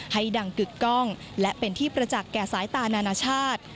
ให้ดังกึกกล้องและเป็นที่ประจักษ์แก่สายตานานาชาติ